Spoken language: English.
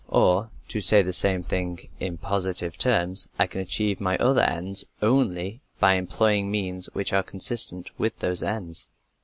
Or to say the same thing in positive terms, I can achieve my other ends only by employing means which are consistent with those ends.